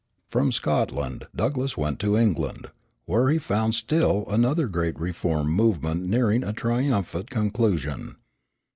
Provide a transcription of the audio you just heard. From Scotland Douglass went to England, where he found still another great reform movement nearing a triumphant conclusion.